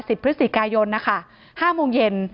สิทธิ์พฤศจิกายน๕โมงเย็น